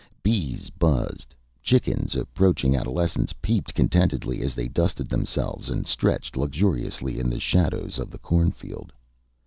Bees buzzed. Chickens, approaching adolescence, peeped contentedly as they dusted themselves and stretched luxuriously in the shadows of the cornfield.